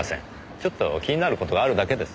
ちょっと気になる事があるだけです。